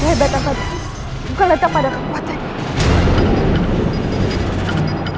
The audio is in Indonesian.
kehebatan padamu bukan letak pada kekuatannya